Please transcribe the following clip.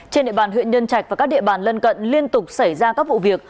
trên nệ bàn huyện nhân trạch và các nệ bàn lân cận liên tục xảy ra các vụ việc